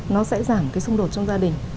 nó sẽ giảm cái xung đột trong gia đình